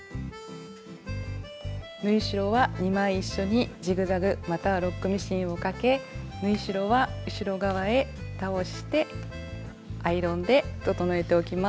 縫い代は２枚一緒にジグザグまたはロックミシンをかけ縫い代は後ろ側へ倒してアイロンで整えておきます。